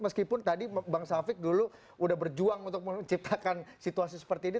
meskipun tadi bang safik dulu sudah berjuang untuk menciptakan situasi seperti ini